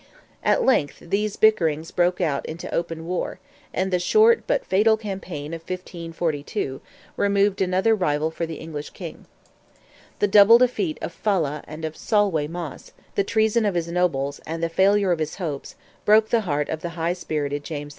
At length these bickerings broke out into open war, and the short, but fatal campaign of 1542, removed another rival for the English King. The double defeat of Fala and of Solway Moss, the treason of his nobles, and the failure of his hopes, broke the heart of the high spirited James V.